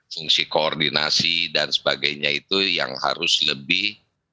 fungsi koordinasi dan sebagainya itu yang harus lebih